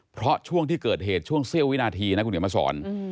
เพราะช่วงที่เกิดเหตุช่วงเสี้ยววินาทีนะคุณเดี๋ยวมาสอน